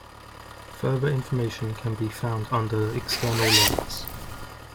Further information can be found under external links.